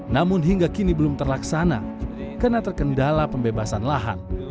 namun hingga kini belum terlaksana karena terkendala pembebasan lahan